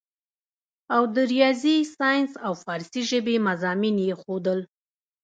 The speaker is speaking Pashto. او د رياضي سائنس او فارسي ژبې مضامين ئې ښودل